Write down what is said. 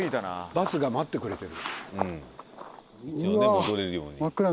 バスが待ってくれてる。